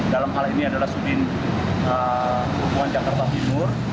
dalam hal ini adalah sudin perhubungan jakarta timur